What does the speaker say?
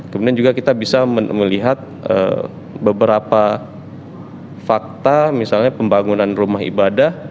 kemudian juga kita bisa melihat beberapa fakta misalnya pembangunan rumah ibadah